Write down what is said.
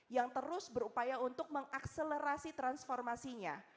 yang terus berupaya untuk mengakselerasi transformasinya